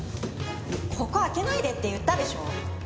ここ開けないでって言ったでしょ！